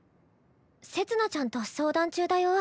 せつ菜ちゃんと相談中だよ。